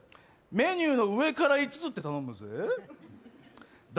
「メニューの上から５つ」って頼むぜぇ。